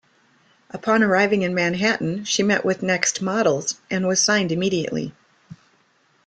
Upon arriving in Manhattan, she met with Next Models, and was signed immediately.